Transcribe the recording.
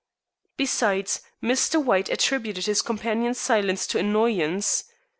Besides, Mr. White attributed his companion's silence to annoyance.